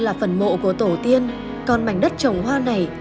mấy đứa bị điên xuống xa đi